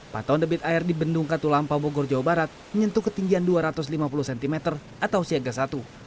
paton debit air di bendung katulampa bogor jawa barat menyentuh ketinggian dua ratus lima puluh cm atau siaga satu